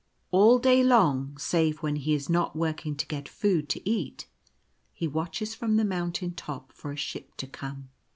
All day long, save when he is not working to get food to eat, he watches from the moun tain top for a ship to come.